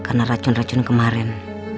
karena racun racun kemarin